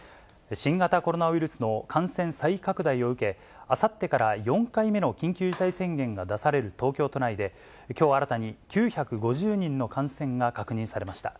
新型コロナウイルスの感染再拡大を受け、あさってから４回目の緊急事態宣言が出される東京都内で、きょう新たに９５０人の感染が確認されました。